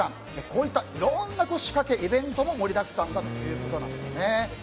こういったいろんな仕掛けイベントも盛りだくさんということですね。